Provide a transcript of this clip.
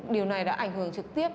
điều này đã ảnh hưởng trực tiếp